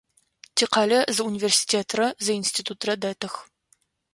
Тикъалэ зы университетрэ зы институтрэ дэтых.